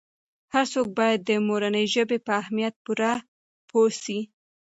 هر څوک باید د مورنۍ ژبې په اهمیت پوره پوه سي.